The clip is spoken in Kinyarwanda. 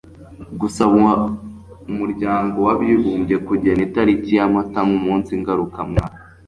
gusaba umuryango w'abibumbye kugena itariki ya mata nk'umunsi ngarukamwaka